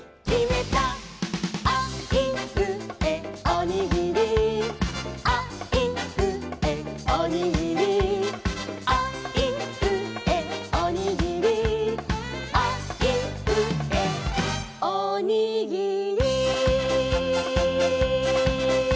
「あいうえおにぎり」「あいうえおにぎり」「あいうえおにぎり」「あいうえおにぎり」